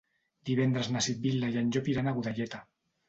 Divendres na Sibil·la i en Llop iran a Godelleta.